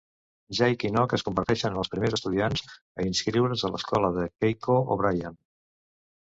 Jake i Nog es converteixen en els primers estudiants a inscriure's a l'escola de Keiko O'Brien.